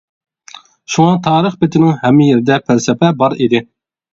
شۇڭا تارىخ بېتىنىڭ ھەممە يېرىدە پەلسەپە بار ئىدى.